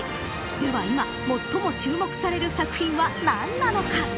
では今、最も注目される作品は何なのか。